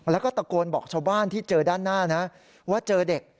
แล้วก็ตะโกนบอกชาวบ้านที่เจอด้านหน้านะว่าเจอเด็ก